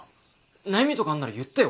悩みとかあるなら言ってよ。